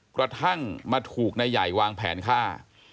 กระทั่งมาถูกนายใหญ่วางแผนฆ่า